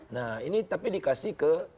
nah ini tapi dikasih ke